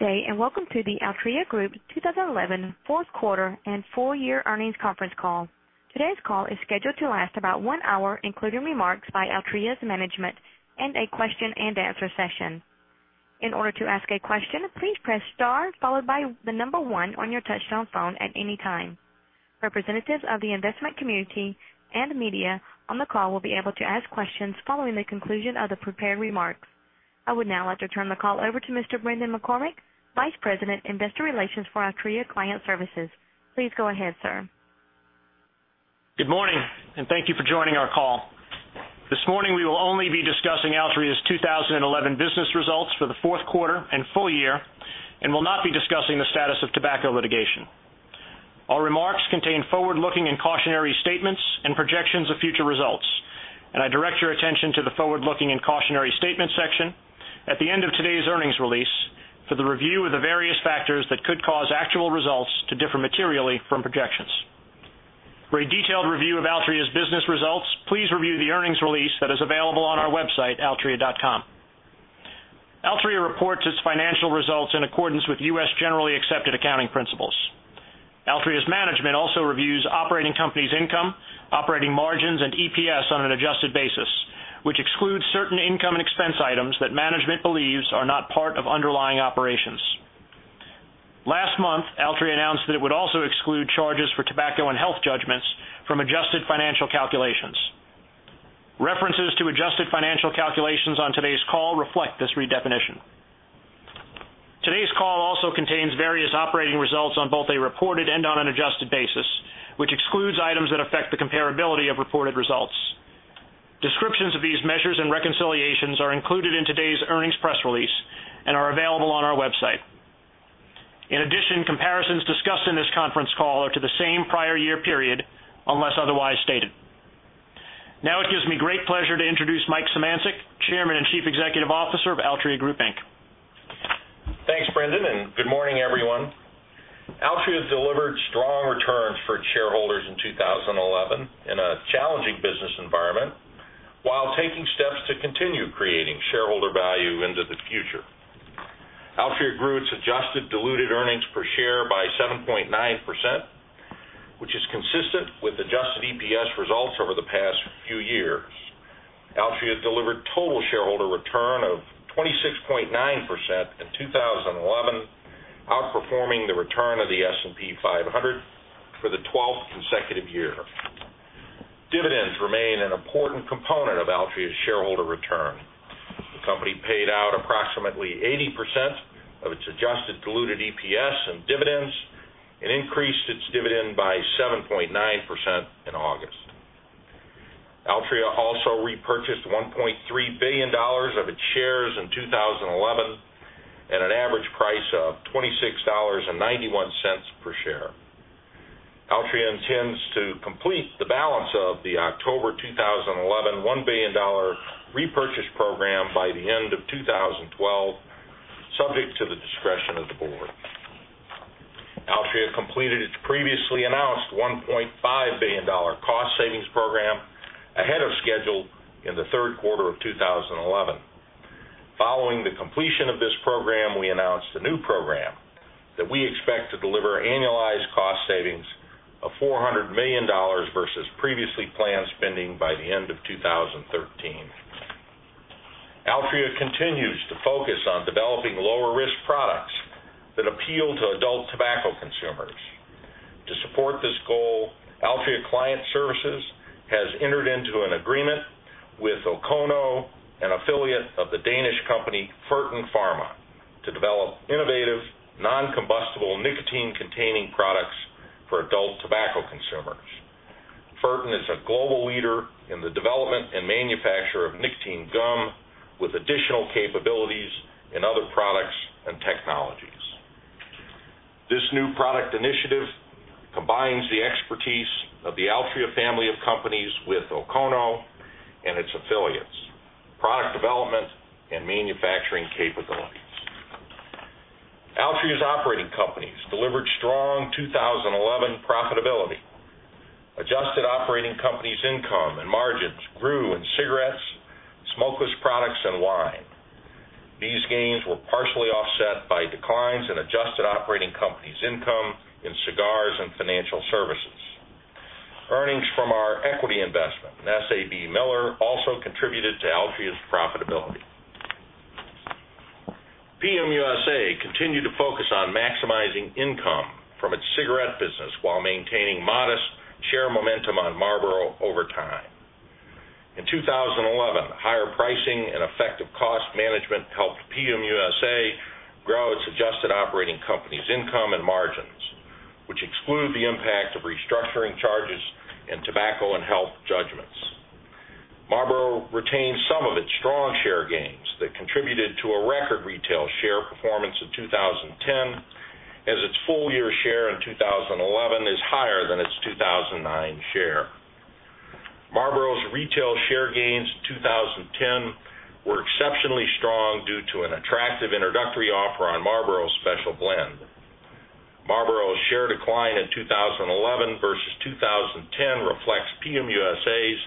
Good day and welcome to the Altria Group 2011 Fourth Quarter and Full Year Earnings Conference Call. Today's call is scheduled to last about one hour, including remarks by Altria's management and a question and answer session. To ask a question, please press star followed by the number one on your touch-tone phone at any time. Representatives of the investment community and the media on the call will be able to ask questions following the conclusion of the prepared remarks. I would now like to turn the call over to Mr. Brendan McCormick, Vice President, Investor Relations for Altria Client Services. Please go ahead, sir. Good morning,, and thank you for joining our call. This morning we will only discuss Altria Group's 2011 business results for the fourth quarter and full year and not discuss the status of tobacco litigation. Our remarks contain forward-looking and cautionary statements and projections of future results. I direct your attention to the forward-looking and cautionary statements section at the end of today's earnings release for the review of the various factors that could cause actual results to differ materially from projections. For a detailed review of Altria Group's business results, please take a look at the earnings release that is available on our website, altria.com. Altria Group reports its financial results in accordance with U.S. generally accepted accounting principles. Altria Group's management also reviews operating companies' income, operating margins, and EPS on an adjusted basis, which excludes certain income and expense items that management believes are not part of underlying operations. Last month, Altria Group announced that it would also exclude charges for tobacco and health judgments from adjusted financial calculations. References to adjusted financial calculations on today's call reflect this redefinition. Today's call also contains various operating results on both a reported and on an adjusted basis, which excludes items that affect the comparability of reported results. Descriptions of these measures and reconciliations are included in today's earnings press release and are available on our website. In addition, comparisons discussed in this conference call are to the same prior year period unless otherwise stated. Now it gives me great pleasure to introduce Michael Szymanczyk, Chairman and Chief Executive Officer of Altria Group, Inc. Thanks, Brendan, and good morning, everyone. Altria delivered strong returns for its shareholders in 2011 in a challenging business environment while taking steps to continue creating shareholder value into the future. Altria grew its adjusted diluted earnings per share by 7.9%, which is consistent with adjusted EPS results over the past few years. Altria delivered total shareholder return of 26.9% in 2011, outperforming the return of the S&P 500 for the 12th consecutive year. Dividends remain an important component of Altria's shareholder return. The company paid out approximately 80% of its adjusted diluted EPS in dividends and increased its dividend by 7.9% in August. Altria also repurchased $1.3 billion of its shares in 2011 at an average price of $26.91 per share. Altria intends to complete the balance of the October 2011 $1 billion repurchase program by the end of 2012, subject to the discretion of the Board. Altria completed its previously announced $1.5 billion cost-savings program ahead of schedule in the third quarter of 2011. Following the completion of this program, we announced a new program that we expect to deliver annualized cost savings of $400 million versus previously planned spending by the end of 2013. Altria continues to focus on developing lower-risk products that appeal to adult tobacco consumers. To support this goal, Altria Client Services has entered into an agreement with Okono, an affiliate of the Danish company Fertin Pharma, to develop innovative, non-combustible, nicotine-containing products for adult tobacco consumers. Fertin is a global leader in the development and manufacture of nicotine gum with additional capabilities in other products and technologies. This new product initiative combines the expertise of the Altria family of companies with Okono and its affiliates' product development and manufacturing capabilities. Altria's operating companies delivered strong 2011 profitability. Adjusted operating companies' income and margins grew in cigarettes, smokeless products, and wine. These gains were partially offset by declines in adjusted operating companies' income in cigars and financial services. Earnings from our equity investment in SAB-Miller also contributed to Altria's profitability. PMUSA continued to focus on maximizing income from its cigarette business while maintaining modest share momentum on Marlboro over time. In 2011, higher pricing and effective cost management helped PMUSA grow its adjusted operating companies' income and margins, which exclude the impact of restructuring charges in tobacco and health judgments. Marlboro retains some of its strong share gains that contributed to a record retail share performance in 2010, as its full-year share in 2011 is higher than its 2009 share. Marlboro's retail share gains in 2010 were exceptionally strong due to an attractive introductory offer on Marlboro's special blend. Marlboro's share decline in 2011 versus 2010 reflects PMUSA's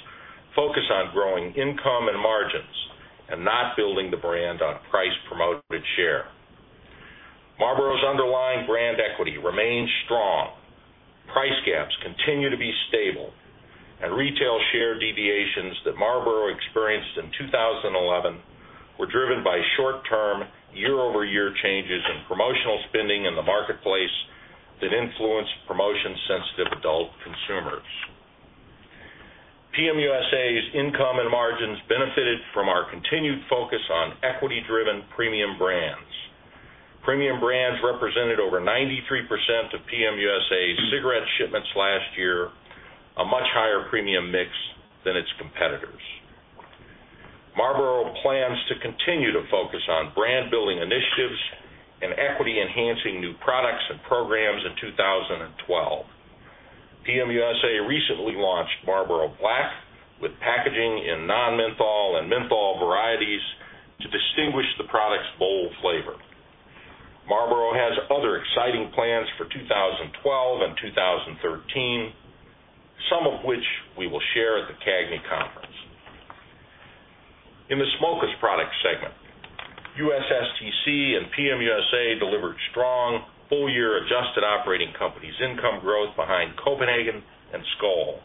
focus on growing income and margins and not building the brand on price-promoted share. Marlboro's underlying brand equity remains strong, price gaps continue to be stable, and retail share deviations that Marlboro experienced in 2011 were driven by short-term, year-over-year changes in promotional spending in the marketplace that influenced promotion-sensitive adult consumers. PMUSA's income and margins benefited from our continued focus on equity-driven premium brands. Premium brands represented over 93% of PMUSA's cigarette shipments last year, a much higher premium mix than its competitors. Marlboro plans to continue to focus on brand-building initiatives and equity-enhancing new products and programs in 2012. PMUSA recently launched Marlboro Black with packaging in non-menthol and menthol varieties to distinguish the product's bold flavor. Marlboro has other exciting plans for 2012 and 2013, some of which we will share at the CAGNY Conference. In the smokeless products segment, USSTC and PMUSA delivered strong full-year adjusted operating companies' income growth behind Copenhagen and Skoal.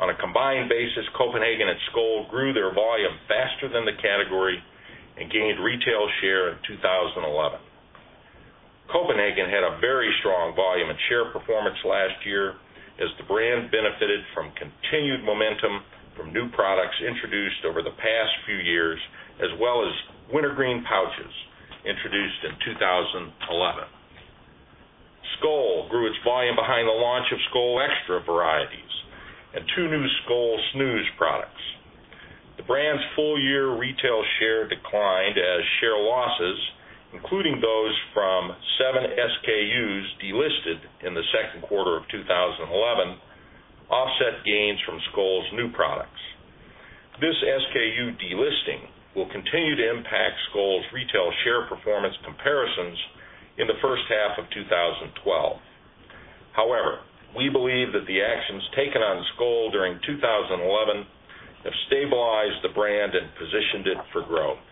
On a combined basis, Copenhagen and Skoal grew their volume faster than the category and gained retail share in 2011. Copenhagen had a very strong volume and share performance last year, as the brand benefited from continued momentum from new products introduced over the past few years, as well as wintergreen pouches introduced in 2011. Skoal grew its volume behind the launch of Skoal Extra varieties and two new Skoal Snus products. The brand's full-year retail share declined as share losses, including those from seven SKUs delisted in the second quarter of 2011, offset gains from Skoal's new products. This SKU delisting will continue to impact Skoal's retail share performance comparisons in the first half of 2012. However, we believe that the actions taken on Skoal during 2011 have stabilized the brand and positioned it for growth.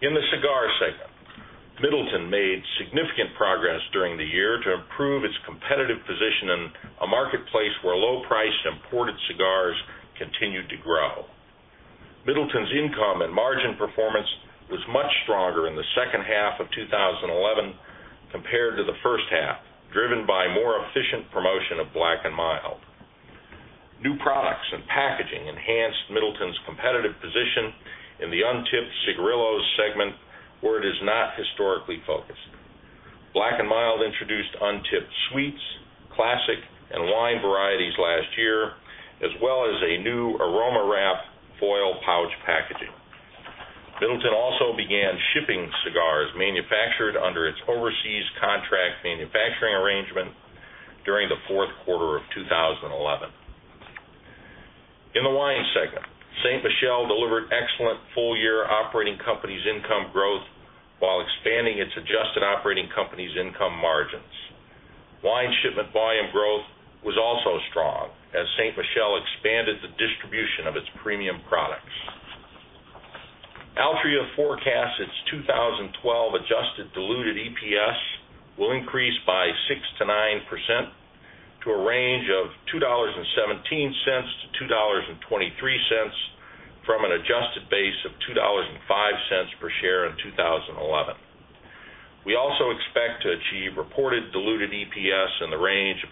In the cigar segment, John Middleton made significant progress during the year to improve its competitive position in a marketplace where low-priced imported cigars continued to grow. John Middleton's income and margin performance was much stronger in the second half of 2011 compared to the first half, driven by more efficient promotion of Black & Mild. New products and packaging enhanced John Middleton's competitive position in the untipped cigarillos segment, where it is not historically focused. Black & Mild introduced untipped sweets, classic, and wine varieties last year, as well as a new aroma wrap foil pouch packaging. John Middleton also began shipping cigars manufactured under its overseas contract manufacturing arrangement during the fourth quarter of 2011. In the wine segment, Ste. Michelle Wine Estates delivered excellent full-year operating companies' income growth while expanding its adjusted operating companies' income margins. Wine shipment volume growth was also strong, as Ste. Michelle Wine Estates expanded the distribution of its premium products. Altria Group forecasts its 2012 adjusted diluted EPS will increase by 6%-9% to a range of $2.17-$2.23 from an adjusted base of $2.05 per share in 2011. We also expect to achieve reported diluted EPS in the range of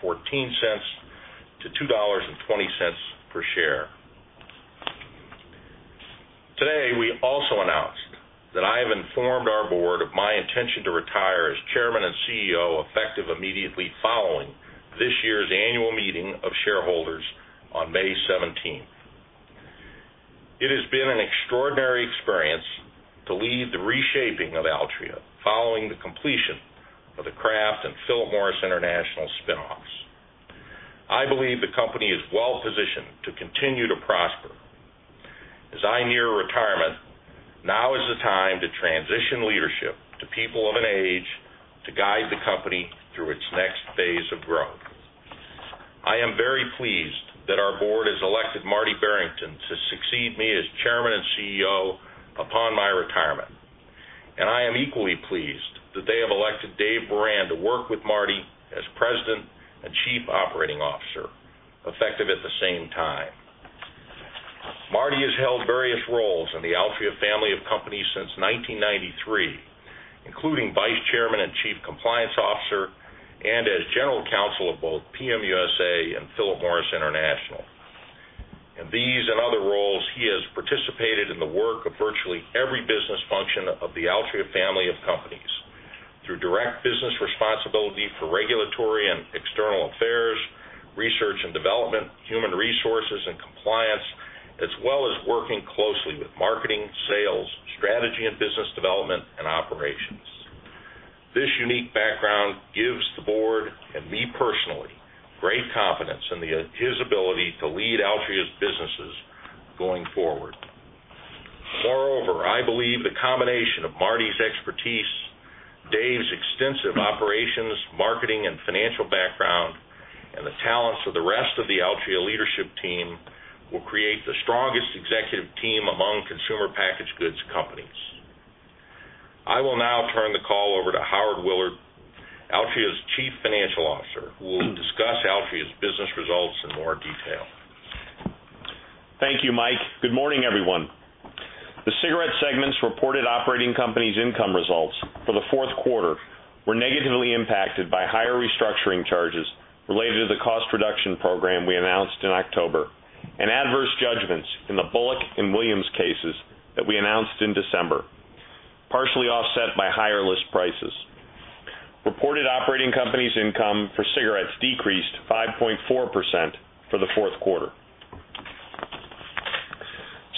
$2.14-$2.20 per share. Today, we also announced that I have informed our Board of my intention to retire as Chairman and CEO effective immediately following this year's annual meeting of shareholders on May 17th. It has been an extraordinary experience to lead the reshaping of Altria Group following the completion of the Kraft and Philip Morris International spin-offs. I believe the company is well-positioned to continue to prosper. As I near retirement, now is the time to transition leadership to people of an age to guide the company through its next phase of growth. I am very pleased that our Board has elected Martin Barrington to succeed me as Chairman and CEO upon my retirement, and I am equally pleased that they have elected David Beran to work with Martin as President and Chief Operating Officer effective at the same time. Martin has held various roles in the Altria family of companies since 1993, including Vice Chairman and Chief Compliance Officer and as General Counsel of both Philip Morris USA and Philip Morris International. In these and other roles, he has participated in the work of virtually every business function of the Altria family of companies through direct business responsibility for regulatory and external affairs, research and development, human resources and compliance, as well as working closely with marketing, sales, strategy and business development, and operations. This unique background gives the Board and me personally great confidence in his ability to lead Altria's businesses going forward. Moreover, I believe the combination of Marty's expertise, Dave's extensive operations, marketing and financial background, and the talents of the rest of the Altria leadership team will create the strongest executive team among consumer packaged goods companies. I will now turn the call over to Howard Willard, Altria's Chief Financial Officer, who will discuss Altria's business results in more detail. Thank you, Mike. Good morning, everyone. The cigarette segment's reported operating companies' income results for the fourth quarter were negatively impacted by higher restructuring charges related to the cost reduction program we announced in October and adverse judgments in the Bullock and Williams cases that we announced in December, partially offset by higher list prices. Reported operating companies' income for cigarettes decreased 5.4% for the fourth quarter.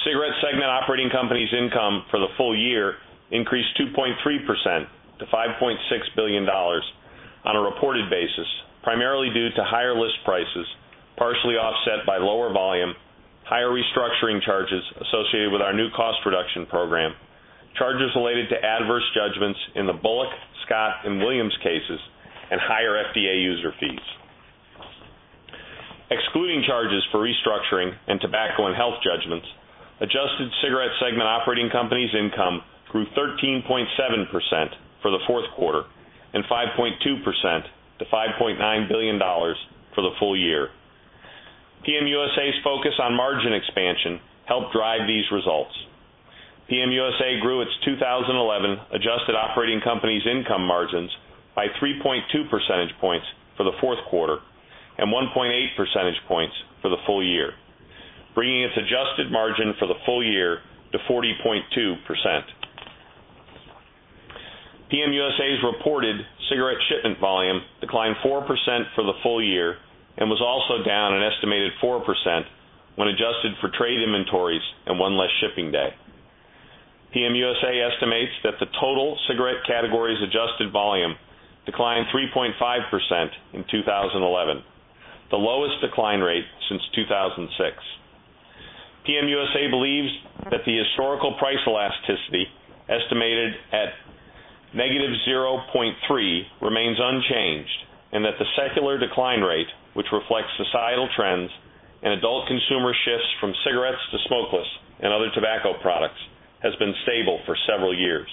Cigarette segment operating companies' income for the full year increased 2.3%-$5.6 billion on a reported basis, primarily due to higher list prices partially offset by lower volume, higher restructuring charges associated with our new cost reduction program, charges related to adverse judgments in the Bullock, Scott, and Williams cases, and higher FDA user fees. Excluding charges for restructuring and tobacco and health judgments, adjusted cigarette segment operating companies' income grew 13.7% for the fourth quarter and 5.2% to $5.9 billion for the full year. PMUSA's focus on margin expansion helped drive these results. PMUSA grew its 2011 adjusted operating companies' income margins by 3.2 percentage points for the fourth quarter and 1.8 percentage points for the full year, bringing its adjusted margin for the full year to 40.2%. PMUSA's reported cigarette shipment volume declined 4% for the full year and was also down an estimated 4% when adjusted for trade inventories and one less shipping day. PMUSA estimates that the total cigarette category's adjusted volume declined 3.5% in 2011, the lowest decline rate since 2006. PMUSA believes that the historical price elasticity estimated at negative 0.3 remains unchanged and that the secular decline rate, which reflects societal trends and adult consumer shifts from cigarettes to smokeless and other tobacco products, has been stable for several years.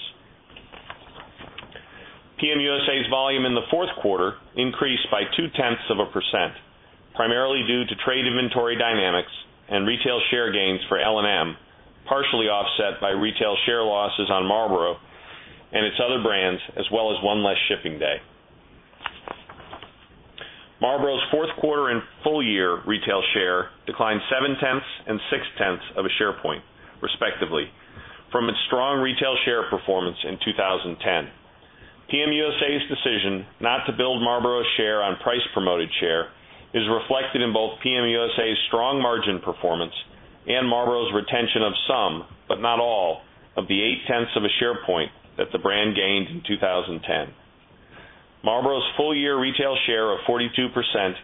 PMUSA's volume in the fourth quarter increased by two-tenths of a percent, primarily due to trade inventory dynamics and retail share gains for L&M, partially offset by retail share losses on Marlboro and its other brands, as well as one less shipping day. Marlboro's fourth quarter and full-year retail share declined seven-tenths and six-tenths of a share point, respectively, from its strong retail share performance in 2010. PMUSA's decision not to build Marlboro's share on price-promoted share is reflected in both PMUSA's strong margin performance and Marlboro's retention of some, but not all, of the 0.8 of a share point that the brand gained in 2010. Marlboro's full-year retail share of 42%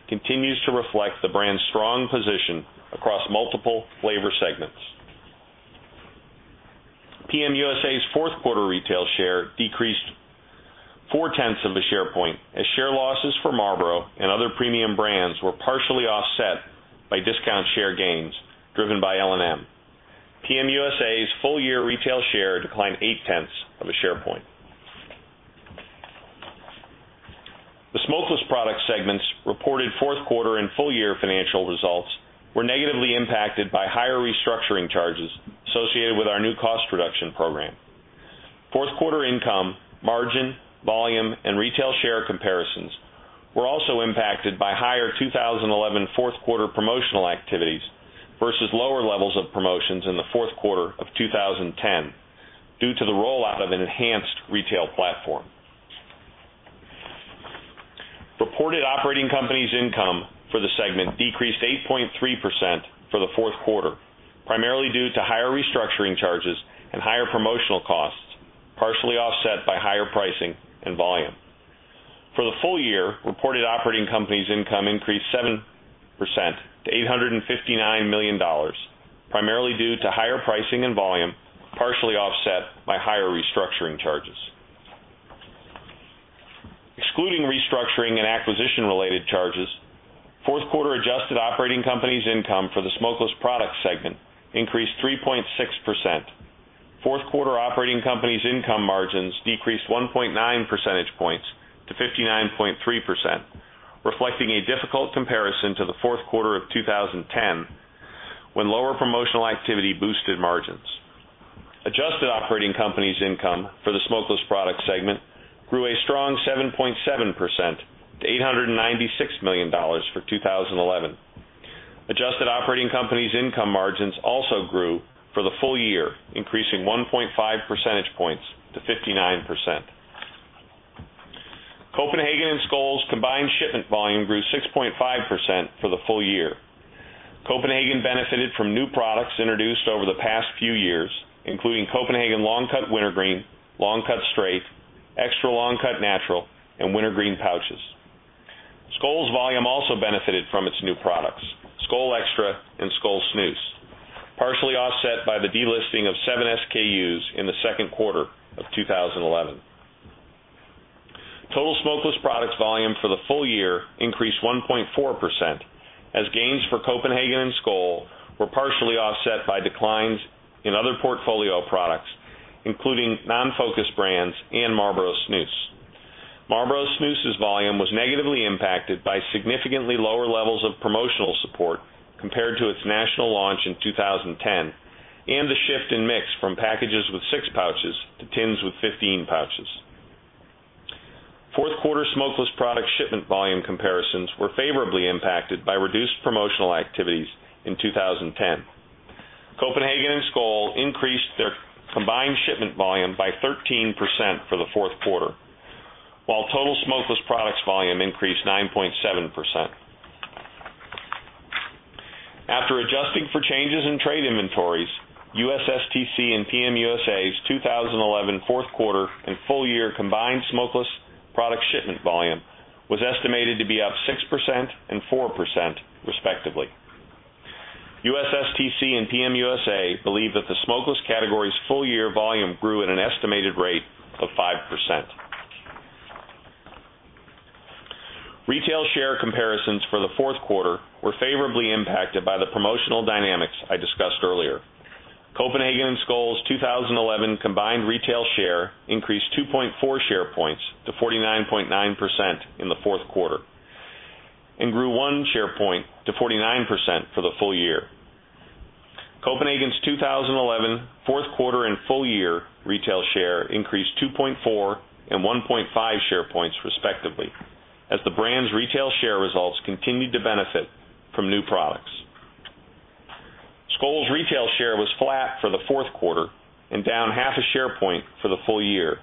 continues to reflect the brand's strong position across multiple flavor segments. PMUSA's fourth quarter retail share decreased 0.4 of a share point, as share losses for Marlboro and other premium brands were partially offset by discount share gains driven by L&M. PMUSA's full-year retail share declined 0.8 of a share point. The smokeless products segment's reported fourth quarter and full-year financial results were negatively impacted by higher restructuring charges associated with our new cost reduction program. Fourth quarter income, margin, volume, and retail share comparisons were also impacted by higher 2011 fourth quarter promotional activities versus lower levels of promotions in the fourth quarter of 2010 due to the rollout of an enhanced retail platform. Reported operating companies' income for the segment decreased 8.3% for the fourth quarter, primarily due to higher restructuring charges and higher promotional costs, partially offset by higher pricing and volume. For the full year, reported operating companies' income increased 7% to $859 million, primarily due to higher pricing and volume partially offset by higher restructuring charges. Excluding restructuring and acquisition-related charges, fourth quarter adjusted operating companies' income for the smokeless products segment increased 3.6%. Fourth quarter operating companies' income margins decreased 1.9 percentage points to 59.3%, reflecting a difficult comparison to the fourth quarter of 2010 when lower promotional activity boosted margins. Adjusted operating companies' income for the smokeless products segment grew a strong 7.7% to $896 million for 2011. Adjusted operating companies' income margins also grew for the full year, increasing 1.5 percentage points to 59%. Copenhagen and Skoal's combined shipment volume grew 6.5% for the full year. Copenhagen benefited from new products introduced over the past few years, including Copenhagen Long Cut Wintergreen, Long Cut Straight, Extra Long Cut Natural, and Wintergreen pouches. Skoal's volume also benefited from its new products, Skoal Extra and Skoal Snus, partially offset by the delisting of seven SKUs in the second quarter of 2011. Total smokeless products volume for the full year increased 1.4%, as gains for Copenhagen and Skoal were partially offset by declines in other portfolio products, including non-focus brands and Marlboro Snus. Marlboro Snus's volume was negatively impacted by significantly lower levels of promotional support compared to its national launch in 2010 and the shift in mix from packages with six pouches to tins with 15 pouches. Fourth quarter smokeless products shipment volume comparisons were favorably impacted by reduced promotional activities in 2010. Copenhagen and Skoal increased their combined shipment volume by 13% for the fourth quarter, while total smokeless products volume increased 9.7%. After adjusting for changes in trade inventories, USSTC and PMUSA's 2011 fourth quarter and full-year combined smokeless products shipment volume was estimated to be up 6% and 4%, respectively. USSTC and PMUSA believe that the smokeless category's full-year volume grew at an estimated rate of 5%. Retail share comparisons for the fourth quarter were favorably impacted by the promotional dynamics I discussed earlier. Copenhagen and Skoal's 2011 combined retail share increased 2.4 share points to 49.9% in the fourth quarter and grew one share point to 49% for the full year. Copenhagen's 2011 fourth quarter and full-year retail share increased 2.4 and 1.5 share points, respectively, as the brand's retail share results continued to benefit from new products. Skoal's retail share was flat for the fourth quarter and down half a share point for the full year,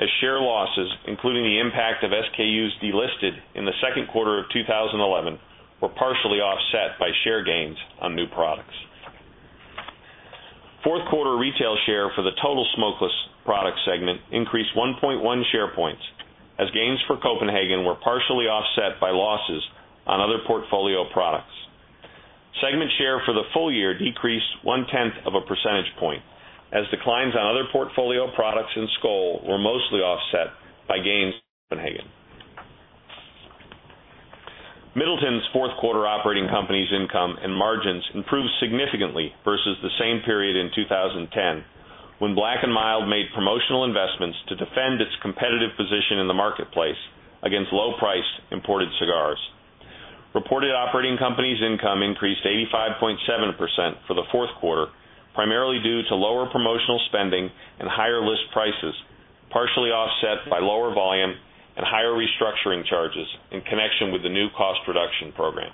as share losses, including the impact of SKUs delisted in the second quarter of 2011, were partially offset by share gains on new products. Fourth quarter retail share for the total smokeless products segment increased 1.1 share points, as gains for Copenhagen were partially offset by losses on other portfolio products. Segment share for the full year decreased one-tenth of a percentage point, as declines on other portfolio products and Skoal were mostly offset by gain for Copenhagen. Middleton's fourth quarter operating companies' income and margins improved significantly versus the same period in 2010, when Black & Mild made promotional investments to defend its competitive position in the marketplace against low-priced imported cigars. Reported operating companies' income increased 85.7% for the fourth quarter, primarily due to lower promotional spending and higher list prices, partially offset by lower volume and higher restructuring charges in connection with the new cost reduction program.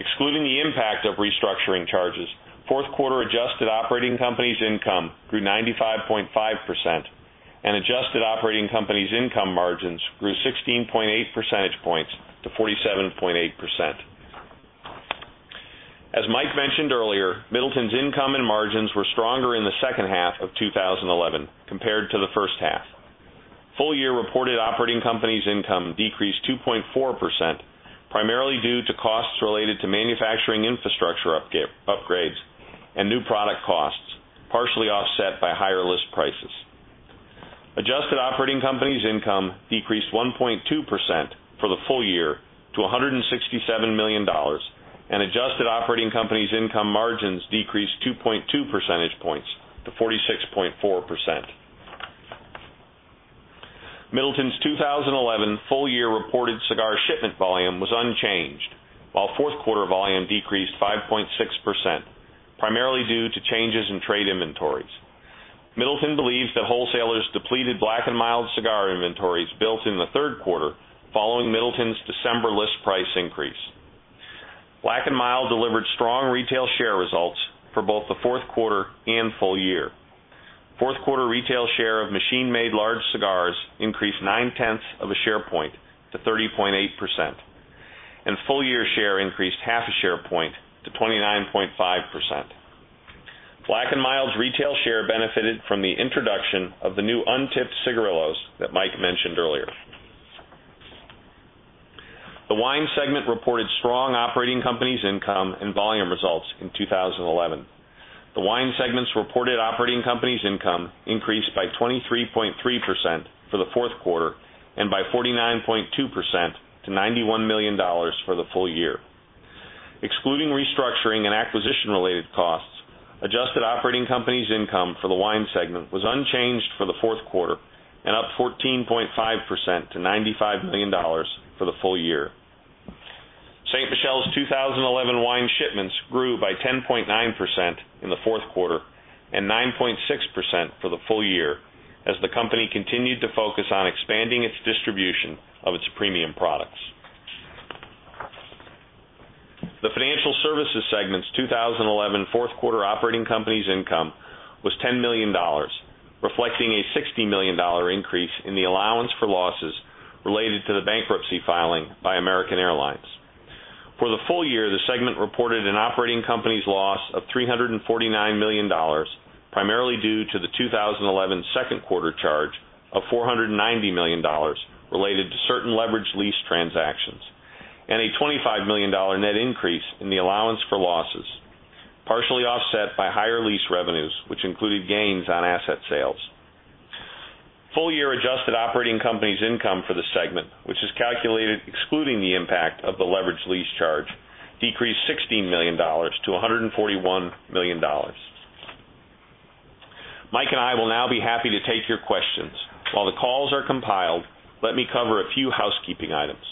Excluding the impact of restructuring charges, fourth quarter adjusted operating companies' income grew 95.5%, and adjusted operating companies' income margins grew 16.8 percentage points to 47.8%. As Mike mentioned earlier, Middleton's income and margins were stronger in the second half of 2011 compared to the first half. Full-year reported operating companies' income decreased 2.4%, primarily due to costs related to manufacturing infrastructure upgrades and new product costs, partially offset by higher list prices. Adjusted operating companies' income decreased 1.2% for the full year to $167 million, and adjusted operating companies' income margins decreased 2.2 percentage points to 46.4%. Middleton's 2011 full-year reported cigar shipment volume was unchanged, while fourth quarter volume decreased 5.6%, primarily due to changes in trade inventories. Middleton believes that wholesalers depleted Black & Mild's cigar inventories built in the third quarter following Middleton's December list price increase. Black & Mild delivered strong retail share results for both the fourth quarter and full year. Fourth quarter retail share of machine-made large cigars increased nine-tenths of a share point to 30.8%, and full-year share increased half a share point to 29.5%. Black & Mild's retail share benefited from the introduction of the new untipped cigarillos that Mike mentioned earlier. The wine segment reported strong operating companies' income and volume results in 2011. The wine segment's reported operating companies' income increased by 23.3% for the fourth quarter and by 49.2% to $91 million for the full year. Excluding restructuring and acquisition-related costs, adjusted operating companies' income for the wine segment was unchanged for the fourth quarter and up 14.5% to $95 million for the full year. St. Ste. Michelle's 2011 wine shipments grew by 10.9% in the fourth quarter and 9.6% for the full year, as the company continued to focus on expanding its distribution of its premium products. The financial services segment's 2011 fourth quarter operating companies' income was $10 million, reflecting a $60 million increase in the allowance for losses related to the bankruptcy filing by American Airlines. For the full year, the segment reported an operating companies' loss of $349 million, primarily due to the 2011 second quarter charge of $490 million related to certain leveraged lease transactions, and a $25 million net increase in the allowance for losses, partially offset by higher lease revenues, which included gains on asset sales. Full-year adjusted operating companies' income for the segment, which is calculated excluding the impact of the leveraged lease charge, decreased $16 million to $141 million. Mike and I will now be happy to take your questions. While the calls are compiled, let me cover a few housekeeping items.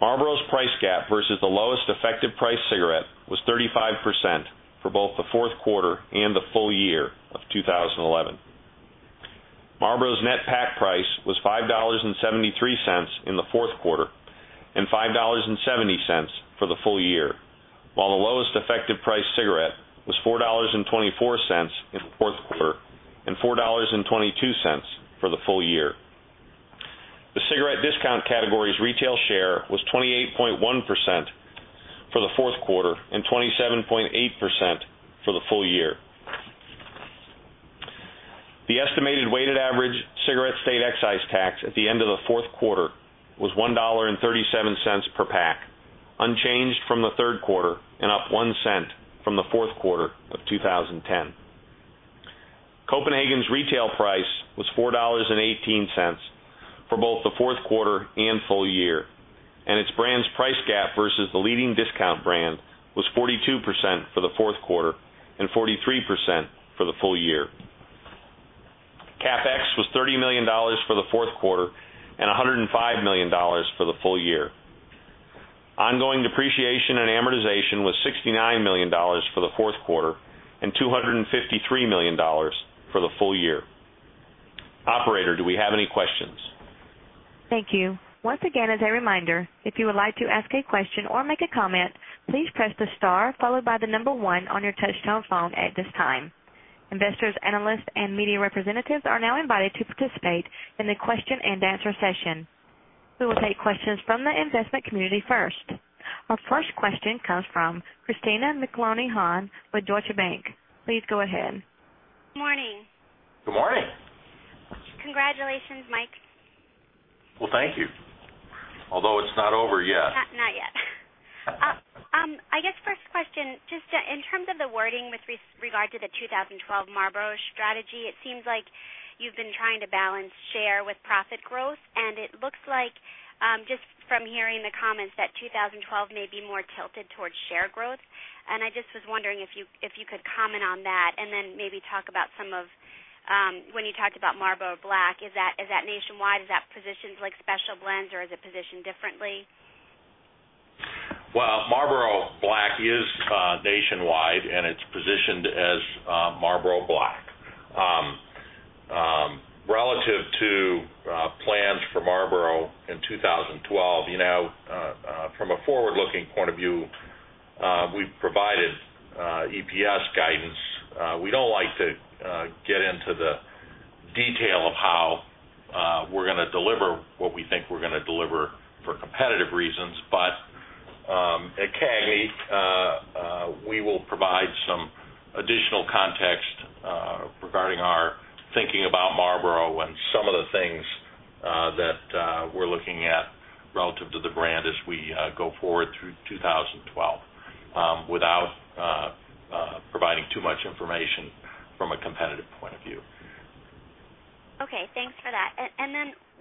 Marlboro's price gap versus the lowest effective price cigarette was 35% for both the fourth quarter and the full year of 2011. Marlboro's net pack price was $5.73 in the fourth quarter and $5.70 for the full year, while the lowest effective price cigarette was $4.24 in the fourth quarter and $4.22 for the full year. The cigarette discount category's retail share was 28.1% for the fourth quarter and 27.8% for the full year. The estimated weighted average cigarette state excise tax at the end of the fourth quarter was $1.37 per pack, unchanged from the third quarter and up $0.01 from the fourth quarter of 2010. Copenhagen's retail price was $4.18 for both the fourth quarter and full year, and its brand's price gap versus the leading discount brand was 42% for the fourth quarter and 43% for the full year. CapEx was $30 million for the fourth quarter and $105 million for the full year. Ongoing depreciation and amortization was $69 million for the fourth quarter and $253 million for the full year. Operator, do we have any questions? Thank you. Once again, as a reminder, if you would like to ask a question or make a comment, please press the star followed by the number one on your touch-tone phone at this time. Investors, analysts, and media representatives are now invited to participate in the question and answer session. We will take questions from the investment community first. Our first question comes from Christina McLoniehan with Deutsche Bank AG. Please go ahead. Morning. Good morning. Congratulations, Mike. Thank you. Although it's not over yet. Not yet. I guess first question, just in terms of the wording with regard to the 2012 Marlboro strategy, it seems like you've been trying to balance share with profit growth, and it looks like, just from hearing the comments, that 2012 may be more tilted towards share growth. I just was wondering if you could comment on that and then maybe talk about some of when you talked about Marlboro Black, is that nationwide? Is that positioned like special blends, or is it positioned differently? Marlboro Black is nationwide, and it's positioned as Marlboro Black. Relative to plans for Marlboro in 2012, you know, from a forward-looking point of view, we've provided EPS guidance. We don't like to get into the detail of how we're going to deliver what we think we're going to deliver for competitive reasons, but at CAGNY, we will provide some additional context regarding our thinking about Marlboro and some of the things that we're looking at relative to the brand as we go forward through 2012 without providing too much information from a competitive point of view. Okay. Thanks for that.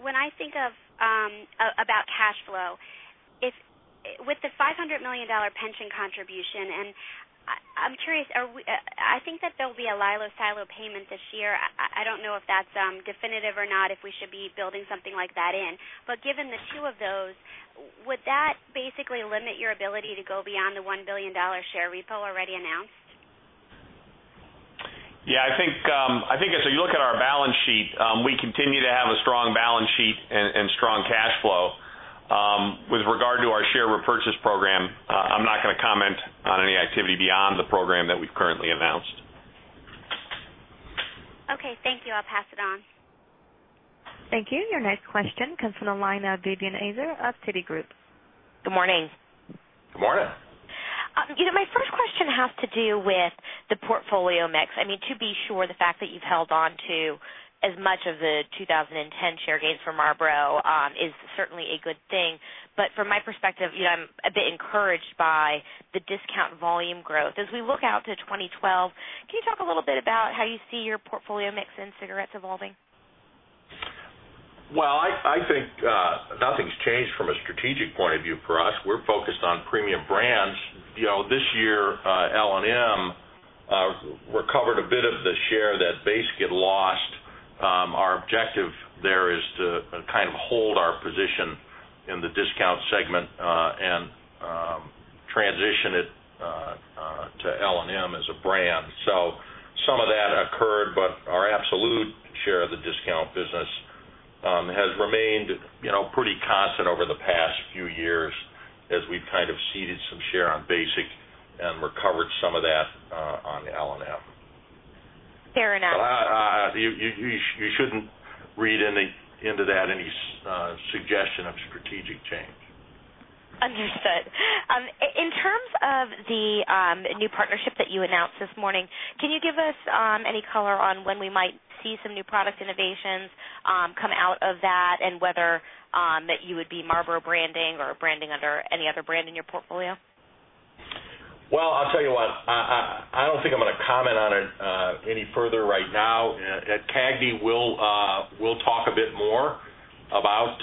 When I think about cash flow, with the $500 million pension contribution, I'm curious, I think that there will be a Lilo Silo payment this year. I don't know if that's definitive or not, if we should be building something like that in. Given the two of those, would that basically limit your ability to go beyond the $1 billion share repo already announced? I think it's a you look at our balance sheet, we continue to have a strong balance sheet and strong cash flow. With regard to our share repurchase program, I'm not going to comment on any activity beyond the program that we've currently announced. Okay, thank you. I'll pass it on. Thank you. Your next question comes from Elena Vivianeiser of Citi Group. Good morning. Good morning. My first question has to do with the portfolio mix. The fact that you've held onto as much of the 2010 share gains for Marlboro is certainly a good thing. From my perspective, I'm a bit encouraged by the discount volume growth. As we look out to 2012, can you talk a little bit about how you see your portfolio mix in cigarettes evolving? I think nothing's changed from a strategic point of view for us. We're focused on premium brands. This year, L&M recovered a bit of the share that Basekit lost. Our objective there is to kind of hold our position in the discount segment and transition it to L&M as a brand. Some of that occurred, but our absolute share of the discount business has remained pretty constant over the past few years as we've kind of ceded some share on Basekit and recovered some of that on L&M. Fair enough. You shouldn't read into that any suggestion of strategic change. Understood. In terms of the new partnership that you announced this morning, can you give us any color on when we might see some new product innovations come out of that, and whether you would be Marlboro branding or branding under any other brand in your portfolio? I don't think I'm going to comment on it any further right now. At CAGNY, we'll talk a bit more about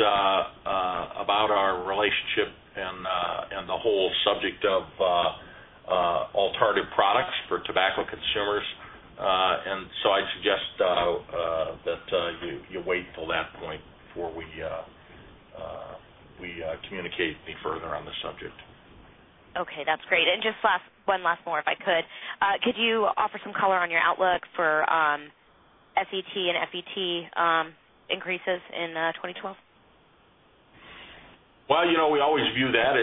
our relationship and the whole subject of alternative products for tobacco consumers. I'd suggest that you wait till that point before we communicate any further on the subject. Okay. That's great. Just one last, more if I could, could you offer some color on your outlook for SET and FET increases in 2012? You know, we always view that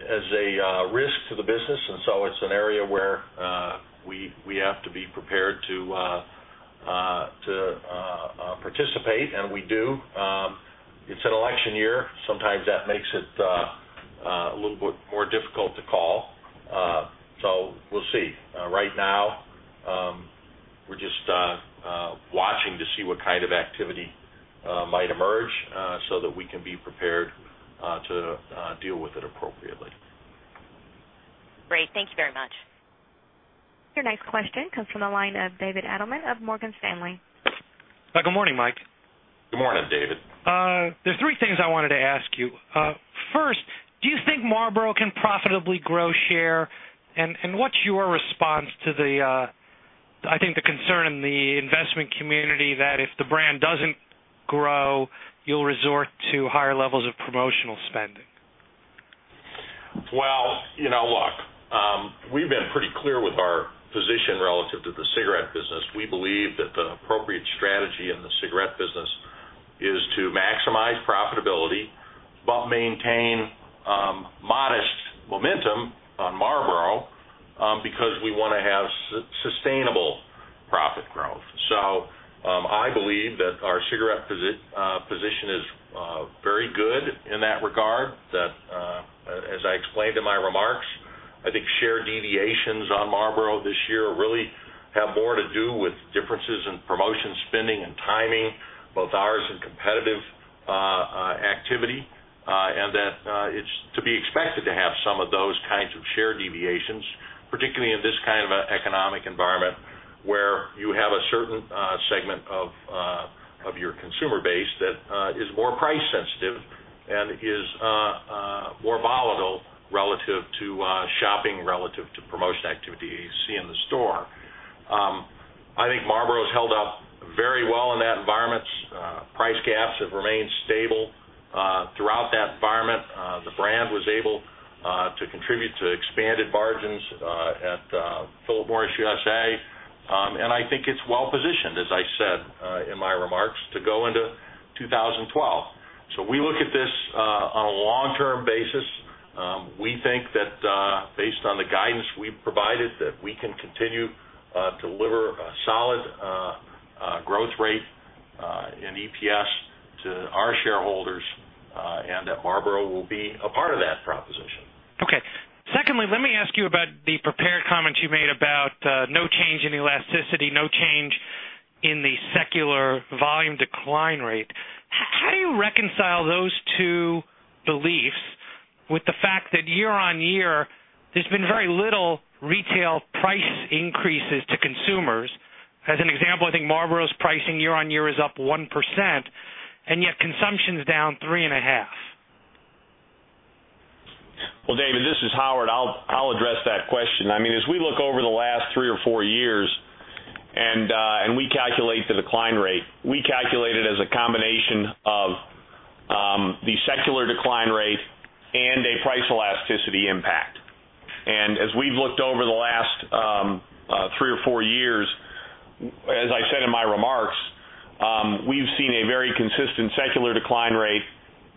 as a risk to the business, and it's an area where we have to be prepared to participate, and we do. It's an election year. Sometimes that makes it a little bit more difficult to call. We'll see. Right now, we're just watching to see what kind of activity might emerge so that we can be prepared to deal with it appropriately. Great. Thank you very much. Your next question comes from the line of David Adelman of Morgan Stanley. Good morning, Mike. Good morning, David. are three things I wanted to ask you. First, do you think Marlboro can profitably grow share, and what's your response to the, I think, the concern in the investment community that if the brand doesn't grow, you'll resort to higher levels of promotional spending? You know, look, we've been pretty clear with our position relative to the cigarette business. We believe that the appropriate strategy in the cigarette business is to maximize profitability but maintain modest momentum on Marlboro because we want to have sustainable profit growth. I believe that our cigarette position is very good in that regard, that, as I explained in my remarks, I think share deviations on Marlboro this year really have more to do with differences in promotion spending and timing, both ours and competitive activity, and that it's to be expected to have some of those kinds of share deviations, particularly in this kind of an economic environment where you have a certain segment of your consumer base that is more price-sensitive and is more volatile relative to shopping, relative to promotion activity you see in the store. I think Marlboro's held up very well in that environment. Price gaps have remained stable throughout that environment. The brand was able to contribute to expanded margins at Philip Morris USA, and I think it's well-positioned, as I said in my remarks, to go into 2012. We look at this on a long-term basis. We think that, based on the guidance we provided, we can continue to deliver a solid growth rate in EPS to our shareholders, and that Marlboro will be a part of that proposition. Okay. Secondly, let me ask you about the prepared comments you made about no change in elasticity, no change in the secular volume decline rate. How do you reconcile those two beliefs with the fact that year-on-year there's been very little retail price increases to consumers? As an example, I think Marlboro's pricing year-on-year is up 1%, and yet consumption's down 3.5%. David, this is Howard. I'll address that question. As we look over the last three or four years and we calculate the decline rate, we calculate it as a combination of the secular decline rate and a price elasticity impact. As we've looked over the last three or four years, as I said in my remarks, we've seen a very consistent secular decline rate,